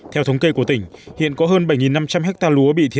theo thống kê của tỉnh hiện có hơn bảy năm trăm linh hectare lúa bị thiết